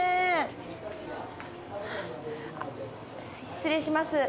失礼します。